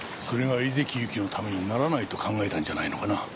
それが井関ゆきのためにならないと考えたんじゃないのかな？